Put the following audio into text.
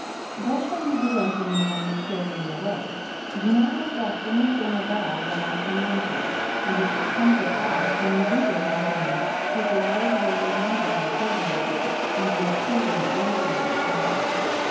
* 14. Thus shall you do unto me when you carry me away ; do not neglect any thing of all that I com mand you ; and it shall come to pass when you do this unto me, that the Lord will remember you favorably and your children after you forever.